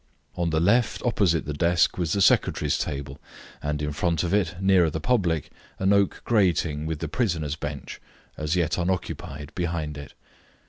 On the left, opposite the desk, was the secretary's table, and in front of it, nearer the public, an oak grating, with the prisoners' bench, as yet unoccupied, behind it.